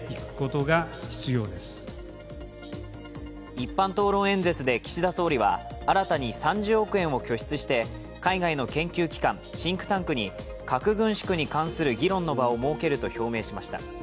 一般討論演説で岸田総理は新たに３０億円を拠出して海外の研究機関シンクタンクに核軍縮に関する議論の場を設けると表明しました。